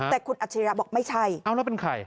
แต่คุณอัจฉริยะบอกไม่ใช่เอาแล้วเป็นใคร